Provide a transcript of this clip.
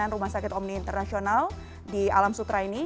dengan rumah sakit omni internasional di alam sutera ini